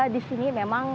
di sini memang